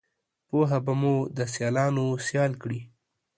پوهه به مو دسیالانوسیال کړي